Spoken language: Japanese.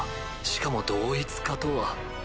しかも同一化とは。